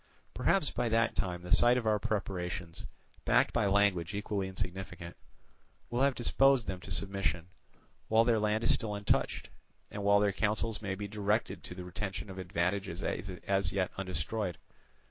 Perhaps by that time the sight of our preparations, backed by language equally significant, will have disposed them to submission, while their land is still untouched, and while their counsels may be directed to the retention of advantages as yet undestroyed.